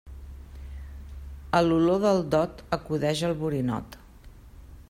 A l'olor del dot, acudix el borinot.